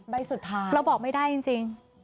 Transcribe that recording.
ใบสุดท้ายเราบอกไม่ได้จริง